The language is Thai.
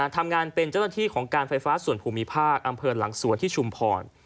ทำงานเป็นเจ้าหน้าที่ของการไฟฟ้าส่วนภูมิภาคอำเภอหลังสวนที่ชุมพร